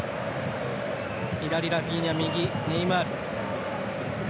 左、ラフィーニャ右、ネイマール。